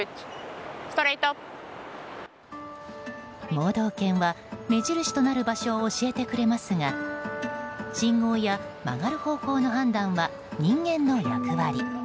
盲導犬は、目印となる場所を教えてくれますが信号や、曲がる方向の判断は人間の役割。